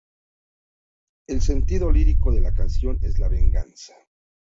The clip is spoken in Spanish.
El sentido lírico de la canción es la venganza.